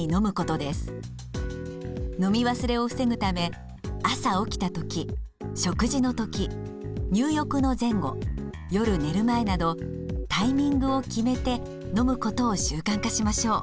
飲み忘れを防ぐため朝起きた時食事の時入浴の前後夜寝る前などタイミングを決めて飲むことを習慣化しましょう。